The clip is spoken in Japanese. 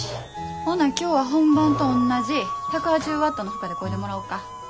ほな今日は本番とおんなじ１８０ワットの負荷でこいでもらおか。